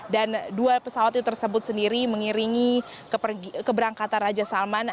dan dua pesawat itu tersebut sendiri mengiringi keberangkatan raja salman